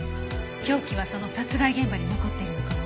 凶器はその殺害現場に残っているのかも。